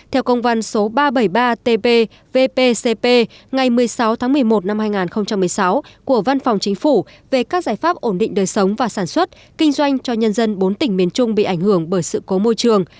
theo công văn số ba trăm bảy mươi ba tb vpcp ngày một mươi sáu tháng một mươi một năm hai nghìn một mươi sáu của văn phòng chính phủ về các giải pháp ổn định đời sống và sản xuất kinh doanh cho nhân dân bốn tỉnh miền trung bị ảnh hưởng bởi sự cố môi trường